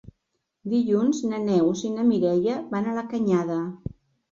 Dilluns na Neus i na Mireia van a la Canyada.